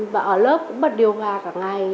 và ở lớp cũng bật điều hòa cả ngày